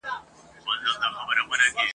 د پردي شیخ په دعاګانو ژړا نه سمیږو ..